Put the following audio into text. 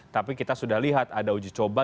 tapi kita sudah lihat ada uji coba